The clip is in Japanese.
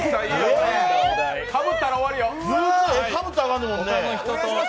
かぶったら終わりよ。